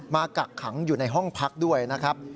กักขังอยู่ในห้องพักด้วยนะครับ